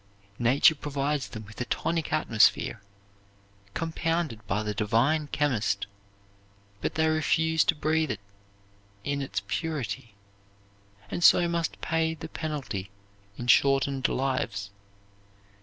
Nature provides them with a tonic atmosphere, compounded by the divine Chemist, but they refuse to breathe it in its purity, and so must pay the penalty in shortened lives.